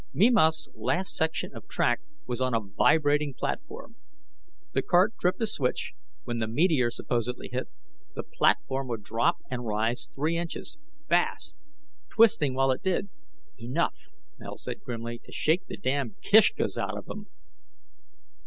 Mimas' last section of track was on a vibrating platform. The cart tripped a switch; when the meteor supposedly hit, the platform would drop and rise three inches, fast, twisting while it did "enough," Mel said grimly, "to shake the damned kishkas out of 'em!"